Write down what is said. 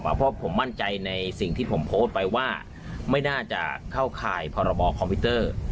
เพราะผมมั่นใจในสิ่งที่ผมโพสต์ไปว่าไม่น่าจะเข้าข่ายพรบคอมพิวเตอร์